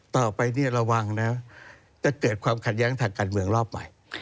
ต่อไประวังนะครับจะเกิดความขัดย้างถักกันเมืองรอบใหม่